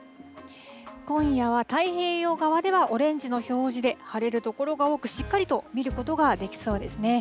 今夜は太平洋側ではオレンジの表示で、晴れる所が多く、しっかりと見ることができそうですね。